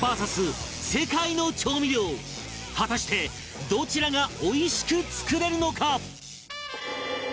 果たしてどちらがおいしく作れるのか？